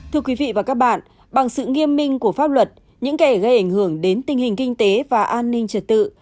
thưa quý vị và các bạn bằng sự nghiêm minh của pháp luật những kẻ gây ảnh hưởng đến tình hình kinh tế và an ninh trật tự